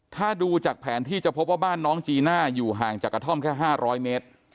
ถ้าดูจากแผนที่จะพบว่าบ้านน้องจีน่าอยู่ห่างจากกระท่อมแค่๕๐๐เมตร